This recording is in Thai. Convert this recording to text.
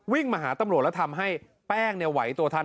มาหาตำรวจแล้วทำให้แป้งไหวตัวทัน